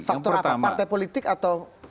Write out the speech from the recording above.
faktor apa partai politik atau